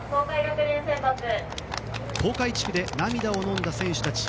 東海地区で涙をのんだ選手たち。